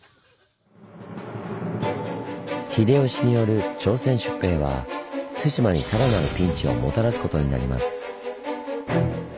秀吉による朝鮮出兵は対馬にさらなるピンチをもたらすことになります。